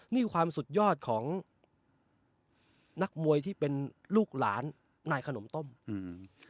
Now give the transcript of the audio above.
นี่ความสุดยอดของนักมวยที่เป็นลูกหลานนายขนมต้มอืม